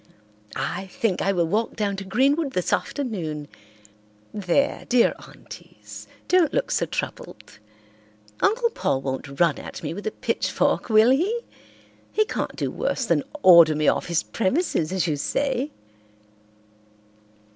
I think I will walk down to Greenwood this afternoon. There, dear aunties, don't look so troubled. Uncle Paul won't run at me with a pitchfork, will he? He can't do worse than order me off his premises, as you say."